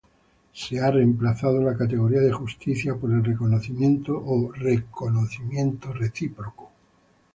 Se ha reemplazado la categoría de justicia por el "reconocimiento" o "reconocimiento recíproco".